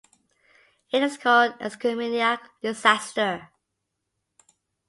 It is called the Escuminac Disaster.